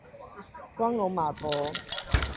光榮碼頭